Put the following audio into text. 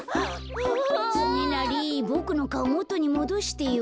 つねなりボクのかおもとにもどしてよ。